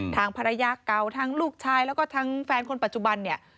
ทางภรรยากเก่าทางลูกชายแล้วก็ทางแฟนคนปัจจุบัน